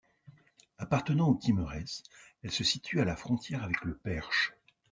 Appartenant au Thymerais, elle se situe à la frontière avec le Perche.